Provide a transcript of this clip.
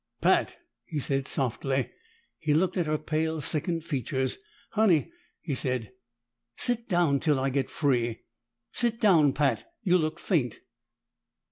"Pat!" he said softly. He looked at her pale, sickened features. "Honey," he said, "sit down till I get free. Sit down, Pat; you look faint."